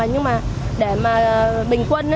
nhưng mà để mà bình quân